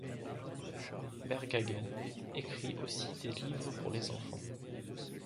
Berghagen écrit aussi des livres pour les enfants.